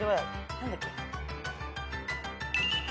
何だっけ？